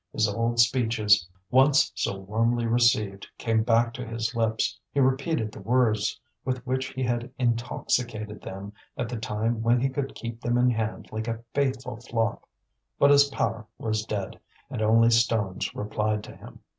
His old speeches, once so warmly received, came back to his lips. He repeated the words with which he had intoxicated them at the time when he could keep them in hand like a faithful flock; but his power was dead, and only stones replied to him.